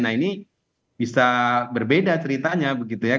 nah ini bisa berbeda ceritanya begitu ya